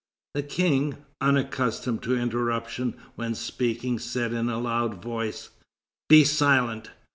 The King, unaccustomed to interruption when speaking, said in a loud voice: "Be silent!"